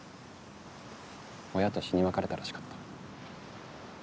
親と死に別れたらしかった。